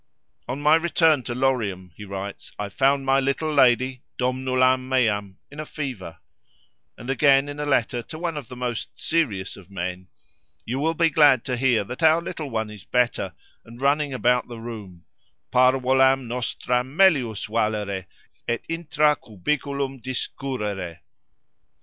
—"On my return to Lorium," he writes, "I found my little lady—domnulam meam—in a fever;" and again, in a letter to one of the most serious of men, "You will be glad to hear that our little one is better, and running about the room—parvolam nostram melius valere et intra cubiculum discurrere."